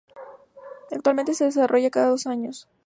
Actualmente se desarrolla cada dos años.